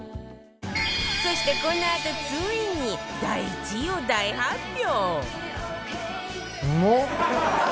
そしてこのあとついに第１位を大発表